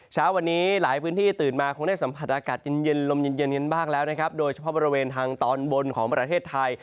เช้าวันนี้หลายพื้นที่ตื่นมาคงได้สัมผัสอากาศเย็นเย็นลมเย็นเย็นบ้างแล้วนะครับโดยเฉพาะบริเวณทางตอนบนของประเทศไทย